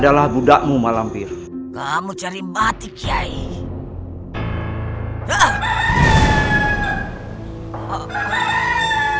dan dia memiliki kerusi di syurga dan di bumi